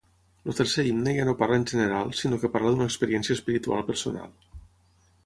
El tercer himne ja no parla en general, sinó que parla d'una experiència espiritual personal.